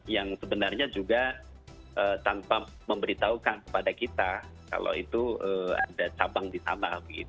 yang sebenarnya juga tanpa memberitahukan kepada kita kalau itu ada cabang di sana